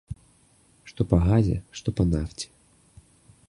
Што па газе, што па нафце.